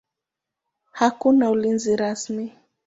Hakuna ulinzi rasmi.